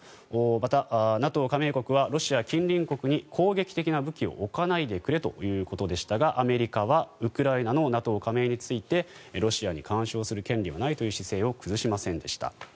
また、ＮＡＴＯ加盟国はロシア近隣国に攻撃的な武器を置かないでくれということでしたがアメリカはウクライナのＮＡＴＯ加盟についてロシアに干渉する権利はないという姿勢を崩しませんでした。